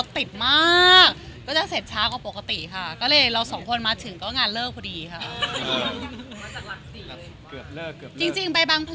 แต่ก็ตั้งใจมากแสดบเป็นยินดีเนาะ